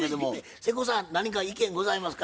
瀬古さん何か意見ございますか？